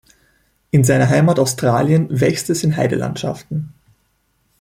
In seiner Heimat Australien wächst es in Heidelandschaften.